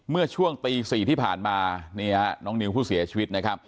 เมื่อช่วงตี๔ที่ผ่านมานี่ฮะน้องนิวผู้เสียชีวิตนะครับ